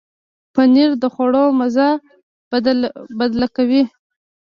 پنېر د خواړو مزه بدله کوي.